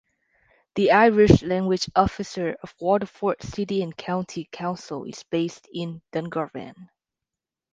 The Irish Language Officer of Waterford City and County Council is based in Dungarvan.